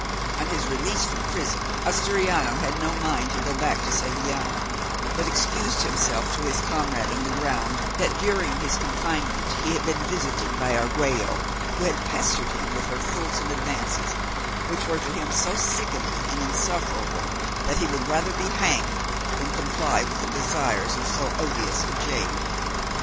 On his release from prison, Asturiano had no mind to go back to the Sevillano, but excused himself to his comrade on the ground that during his confinement he had been visited by Argüello, who had pestered him with her fulsome advances, which were to him so sickening and insufferable, that he would rather be hanged than comply with the desires of so odious a jade.